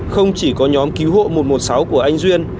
không chỉ có nhóm cứu hộ một trăm một mươi sáu của anh duyên